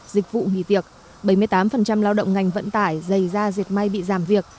dịch vụ nghỉ tiệc bảy mươi tám lao động ngành vận tải dày da diệt may bị giảm việc